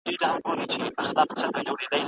سياسي کشمکشونه بايد زيات نه سي.